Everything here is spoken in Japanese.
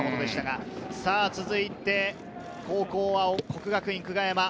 続いて、後攻は國學院久我山。